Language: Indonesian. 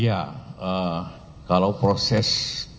ya kalau proses